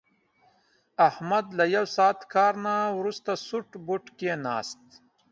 احمد له یو ساعت کار نه ورسته سوټ بوټ کېناست.